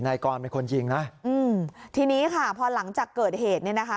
นายกรเป็นคนยิงนะอืมทีนี้ค่ะพอหลังจากเกิดเหตุเนี่ยนะคะ